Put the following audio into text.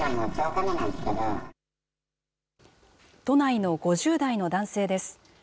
都内の５０代の男性です。